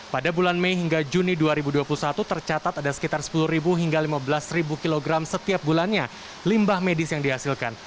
pada bulan mei hingga juni dua ribu dua puluh satu tercatat ada sekitar sepuluh hingga lima belas kg setiap bulannya limbah medis yang dihasilkan